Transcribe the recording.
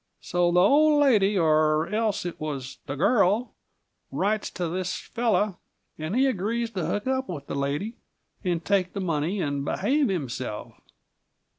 So the old lady, or else it was the girl, writes to this fellow, and he agrees to hook up with the lady and take the money and behave himself.